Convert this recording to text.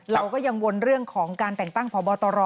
เราก็ยังวนเรื่องของการแต่งตั้งพบตร